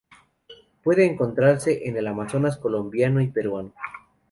Puede encontrarse en el Amazonas colombiano y peruano.